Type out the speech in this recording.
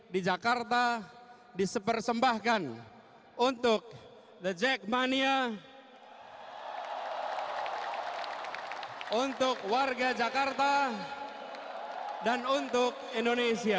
di jakarta disepersembahkan untuk the jackmania untuk warga jakarta dan untuk indonesia